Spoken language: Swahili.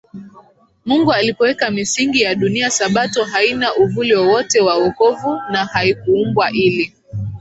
Mungu alipoweka misingi ya dunia Sabato haina uvuli wowote wa wokovu na haikuumbwa ili